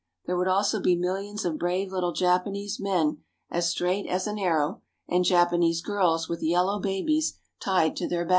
There would also be millions of brave little Japanese men I6 INTRODUCTION as straight as an arrow and Japanese girls with yellow babies tied to their backs.